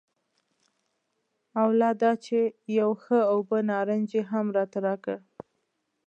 او لا دا چې یو ښه اوبه نارنج یې هم راته راکړ.